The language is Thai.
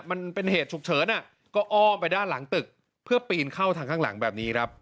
มันเป็นเหตุฉุกเฉินก็อ้อมไปด้านหลังตึกเพื่อปีนเข้าทางข้างหลังแบบนี้ครับ